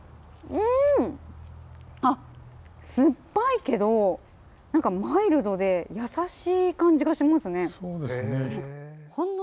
酸っぱいけどマイルドで優しい感じがしますね。